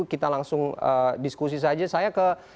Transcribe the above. kita langsung diskusi saja